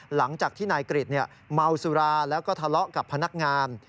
หลังจากที่นายกริจเมาสุราแล้วก็ทะเลาะกับพนักงาน